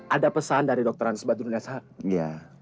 ada pesan dari dokteran sebatul nesha